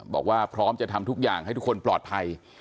บอกว่าพร้อมจะทำทุกอย่างให้ทุกคนปลอดภัย